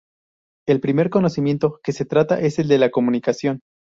El primer conocimiento que se trata es el de la comunicación.